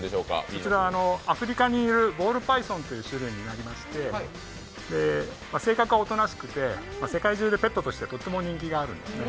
こちらはアフリカにいるボールパイソンという種類になりまして性格はおとなしくて世界中でペットとして非常に人気があるんです。